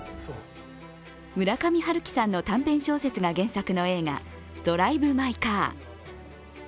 村上春樹さんの短編小説が原作の映画「ドライブ・マイ・カー」。